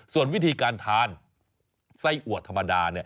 ส่วนวิธีการทานไส้อัวธรรมดา